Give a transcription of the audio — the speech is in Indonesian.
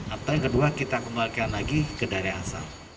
atau yang kedua kita kembalikan lagi ke daerah asal